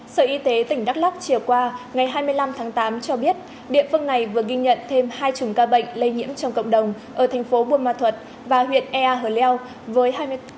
sở y tế tỉnh đắk lắc trìa qua ngày hai mươi năm tháng tám cho biết địa phương này vừa ghi nhận thêm hai chùng ca bệnh lây nhiễm trong cộng đồng ở thành phố bù ma thuột và huyện ea hờ leo với hai mươi